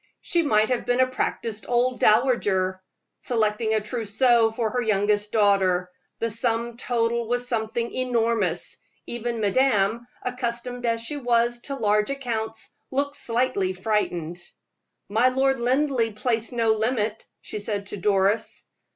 She might have been a practiced old dowager, selecting a trousseau for her youngest daughter. The sum total was something enormous. Even madame, accustomed as she was to large accounts, looked slightly frightened. "My Lord Linleigh placed no limit," she said to Doris.